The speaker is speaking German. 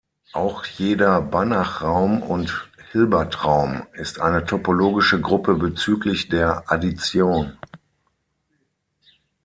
Auch jeder Banachraum und Hilbertraum ist eine topologische Gruppe bezüglich der Addition.